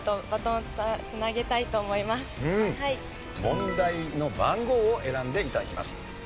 問題の番号を選んで頂きます。